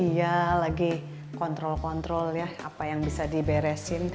iya lagi kontrol kontrol ya apa yang bisa diberesin